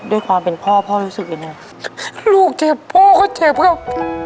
ด้วยความเป็นพ่อพ่อรู้สึกยังไงลูกเจ็บพ่อก็เจ็บครับ